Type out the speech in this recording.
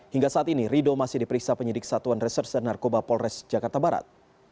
hingga saat ini rido masih diperiksa penyidik satuan reserse narkoba polres jakarta barat